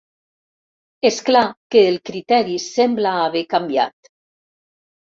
És clar que el criteri sembla haver canviat.